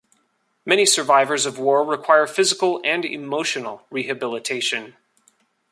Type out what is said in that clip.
Many survivors of war require physical and emotional rehabilitation.